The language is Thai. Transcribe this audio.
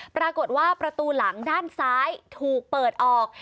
ปรากฏว่าประตูหลังด้านซ้ายถูกเปิดออก